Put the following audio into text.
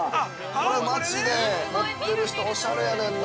これ街で持ってる人、おしゃれやねんな。